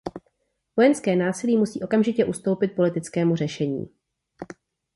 Vojenské násilí musí okamžitě ustoupit politickému řešení.